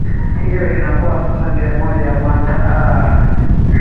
hiyo inakuwa sasa njia moja ya kuanza aaa